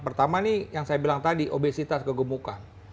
pertama nih yang saya bilang tadi obesitas kegemukan